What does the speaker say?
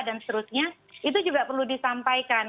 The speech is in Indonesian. dan seterusnya itu juga perlu disampaikan